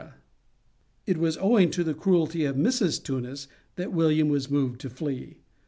'" It was owing to the cruelty of Mrs. Tunis that William was moved to flee.